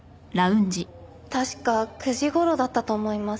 確か９時頃だったと思います。